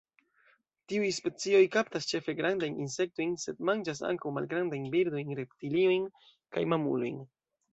Tiuj specioj kaptas ĉefe grandajn insektojn, sed manĝas ankaŭ malgrandajn birdojn, reptiliojn kaj mamulojn.